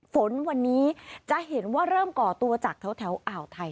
ฝนวันนี้จะเห็นว่าเริ่มก่อตัวจากแถวอ่าวไทย